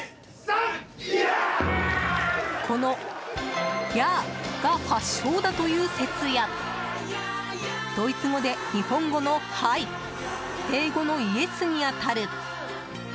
このヤーが発祥だという説やドイツ語で日本語の「はい」英語の「ＹＥＳ」に当たる。